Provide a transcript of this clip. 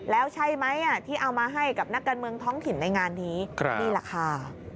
แล้วใช่ไหมที่เอามาให้กับนักการเมืองท้องถิ่นในงานนี้นี่แหละค่ะ